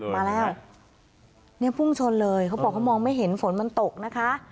มาแล้วเนี่ยพุ่งชนเลยเขาบอกเขามองไม่เห็นฝนมันตกนะคะ